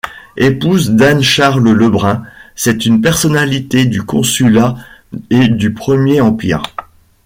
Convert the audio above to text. Épouse d'Anne-Charles Lebrun, c'est une personnalité du Consulat et du Premier Empire.